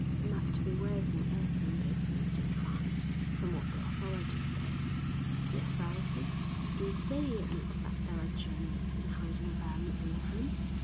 It must be worse than anything they've used in France, from what the authorities say." "The authorities? Do they admit that there are Germans in hiding about Midlingham?"